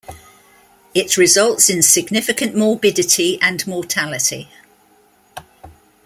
It results in significant morbidity and mortality.